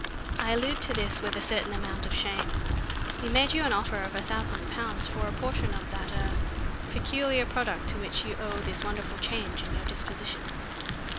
"I allude to this with a certain amount of shame. We made you an offer of a thousand pounds for a portion of that er peculiar product to which you owe this wonderful change in your disposition.